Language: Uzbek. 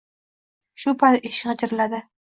Shu payt eshik gʼijirladi.